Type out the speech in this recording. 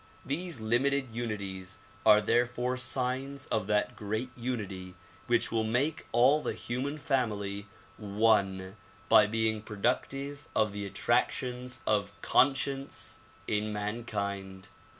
These limited unities are therefore signs of that great unity which will make all the human family one by being pro ductive of the attractions of conscience in mankind.